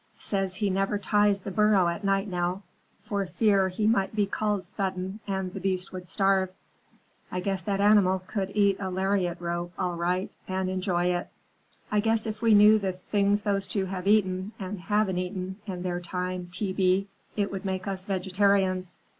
Says he never ties the burro at night now, for fear he might be called sudden, and the beast would starve. I guess that animal could eat a lariat rope, all right, and enjoy it." "I guess if we knew the things those two have eaten, and haven't eaten, in their time, T. B., it would make us vegetarians."